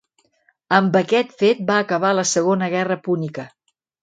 Amb aquest fet va acabar la Segona Guerra Púnica.